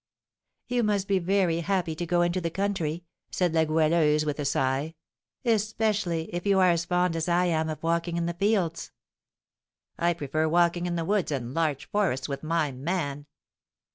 "You must be very happy to go into the country," said La Goualeuse, with a sigh; "especially if you are as fond as I am of walking in the fields." "I prefer walking in the woods and large forests with my man."